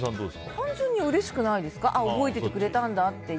単純にうれしくないですか覚えててくれたんだって。